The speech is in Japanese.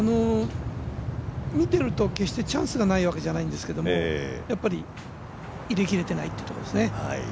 見ていると決してチャンスがないわけじゃないんですけども入れ切れていないっていうところですね。